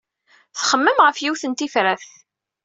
Txemmem ɣef yiwet n tifrat.